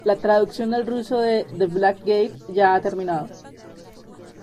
La traducción al ruso de "The Black Gate" ya ha terminado.